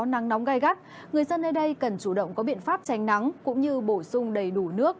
nắng nóng gai gắt người dân nơi đây cần chủ động có biện pháp tránh nắng cũng như bổ sung đầy đủ nước